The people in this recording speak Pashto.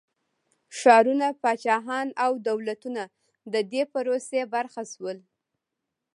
ښارونه، پاچاهيان او دولتونه د دې پروسې برخه شول.